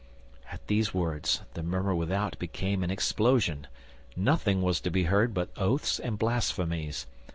At these words, the murmur without became an explosion; nothing was to be heard but oaths and blasphemies.